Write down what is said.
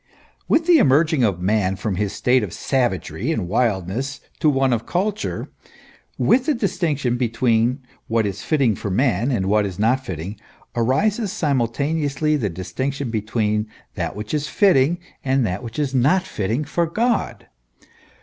With the emerging of man from a state of savagery and wildness to one of culture, with the distinction between what is fitting for man and what is not fitting, arises simultaneously the dis tinction between that which is fitting and that which is not fitting for God.